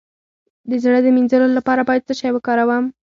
د زړه د مینځلو لپاره باید څه شی وکاروم؟